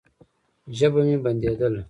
ژبه مې بنديدله.